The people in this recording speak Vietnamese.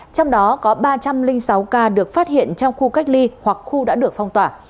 trong đó có ba trăm linh sáu ca được phát hiện trong khu cách ly hoặc khu đã được phong tỏa